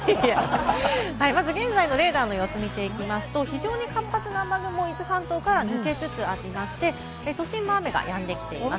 現在のレーダーの様子を見ていきますと、活発な雨雲の様子、伊豆半島から抜けつつありまして、都心の雨はやんできています。